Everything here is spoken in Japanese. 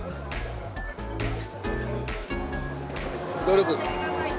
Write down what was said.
「努力」。